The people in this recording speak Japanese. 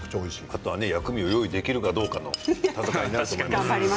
あとは薬味を用意できるかどうかの戦いになると思います。